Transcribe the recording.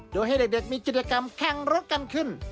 โดยให้เด็กมีกิจกรรมแข่งรถกันขึ้น